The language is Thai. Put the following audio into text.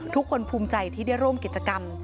ภูมิใจที่ได้ร่วมกิจกรรม